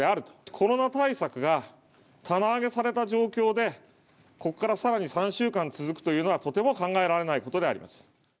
コロナ対策が棚上げされた状況で、ここからさらに３週間続くというのはとても考えられないことであります。